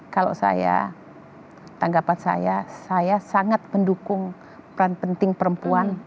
kalau saya tanggapan saya saya sangat mendukung peran penting perempuan